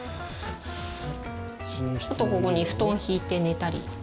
あとここに布団を敷いて寝たり。